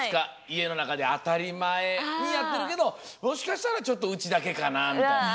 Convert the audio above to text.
いえのなかであたりまえにやってるけどもしかしたらちょっとうちだけかなみたいな。